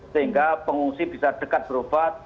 sehingga pengungsi bisa dekat berobat